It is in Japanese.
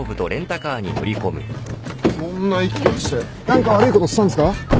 ・そんな息切らして何か悪いことしたんすか？